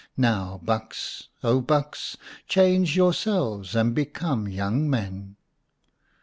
Now, bucks Oh, bucks, Change yourselves, and become young men.'